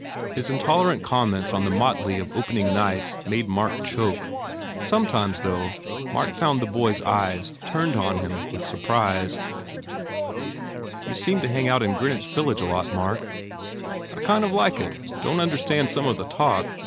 His intolerant comments on the motley of opening nights made Mark choke. Some times, though, Mark found the boy s eyes turned on him with surprise. THE FAIR REWARDS "You seem to hang out in Greenwich village a lot, Mark." "I kind of like it. Don t understand some of the talk.